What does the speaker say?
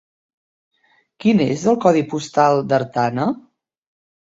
Quin és el codi postal d'Artana?